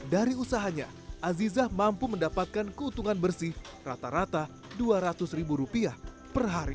dari usahanya aziza mampu mendapatkan keuntungan bersih rata rata dua ratus ribu rupiah per hari